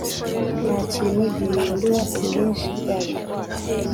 Ntakintu gihindura ubwinshi bwacyo